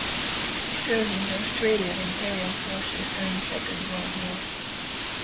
He served in the Australian Imperial Forces during the Second World War.